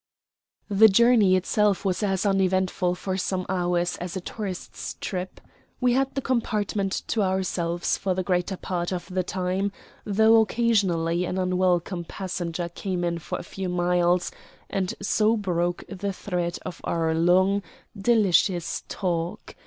The journey itself was as uneventful for some hours as a tourist's trip. We had the compartment to ourselves for the greater part of the time, though occasionally an unwelcome passenger came in for a few miles, and so broke the thread of our long, delicious talk.